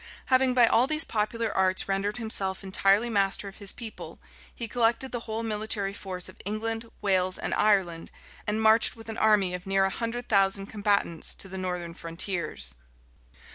Having by all these popular arts rendered himself entirely master of his people, he collected the whole military force of England, Wales, and Ireland, and marched with an army of near a hundred thousand combatants to the northern frontiers.